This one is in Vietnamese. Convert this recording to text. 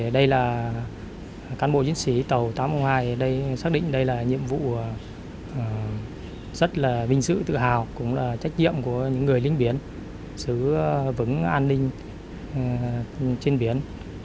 đây là cán bộ chiến sĩ tàu tám nghìn hai xác định đây là nhiệm vụ rất là vinh sự tự hào cũng là trách nhiệm của những người lính biển giữ vững an ninh trên biển